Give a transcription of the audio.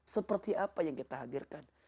seperti apa yang kita hadirkan